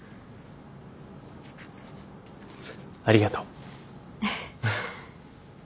ありがとう。